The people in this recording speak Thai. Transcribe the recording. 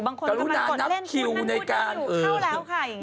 บางคนกำลังกดเล่นคิวในการกรุณานับคิวนั่นมูดอยู่เข้าแล้วค่ะ